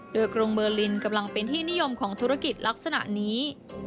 โดยกรุงเบอร์ลินกำลังเป็นที่นิยมของธุรกิจลักษณะนี้